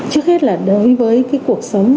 trước hết là đối với cuộc sống